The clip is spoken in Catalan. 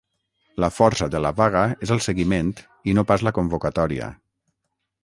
La força de la vaga és el seguiment i no pas la convocatòria.